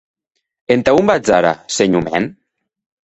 Entà on vatz ara, senhor mèn?